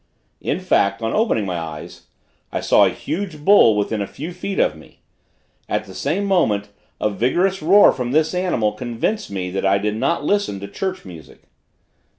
In fact, on opening my eyes, I saw a huge bull within a few feet of me. At the same moment, a vigorous roar from this animal convinced me that I did not listen to church music.